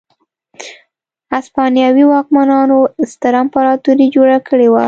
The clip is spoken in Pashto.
هسپانوي واکمنانو ستره امپراتوري جوړه کړې وه.